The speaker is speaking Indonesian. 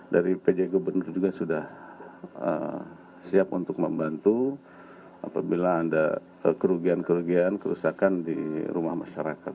dari pj gubernur juga sudah siap untuk membantu apabila ada kerugian kerugian kerusakan di rumah masyarakat